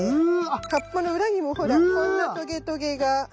葉っぱの裏にもほらこんなトゲトゲが。